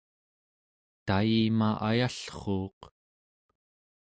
tayima ayallruuq